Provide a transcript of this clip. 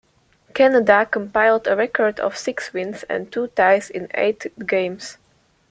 Canada compiled a record of six wins and two ties in eight games.